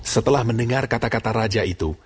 setelah mendengar kata kata raja itu